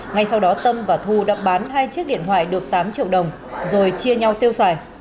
ngay sau đó tâm và thu đã bán hai chiếc điện thoại được tám triệu đồng rồi chia nhau tiêu xài